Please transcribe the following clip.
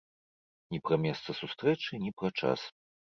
Ні пра месца сустрэчы, ні пра час.